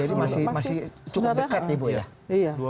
jadi masih cukup dekat nih bu ya